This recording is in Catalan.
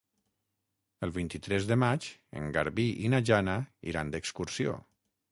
El vint-i-tres de maig en Garbí i na Jana iran d'excursió.